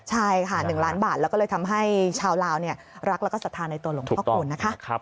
ใช่ค่ะ๑ล้านบาทแล้วก็เลยทำให้ชาวลาวรักแล้วก็ศรัทธาในตัวหลวงพ่อคูณนะคะ